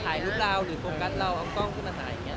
ถ่ายรูปราวค์หรือโฟงกัลต์เราเอากล้องบนหาอย่างนี้